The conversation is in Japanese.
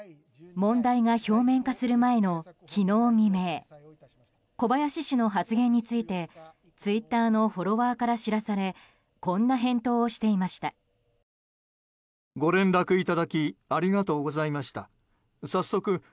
問題が表面化する前の昨日未明小林氏の発言についてツイッターのフォロワーから知らされこんな返答もしていました。